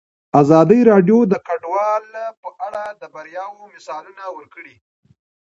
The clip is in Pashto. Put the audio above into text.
ازادي راډیو د کډوال په اړه د بریاوو مثالونه ورکړي.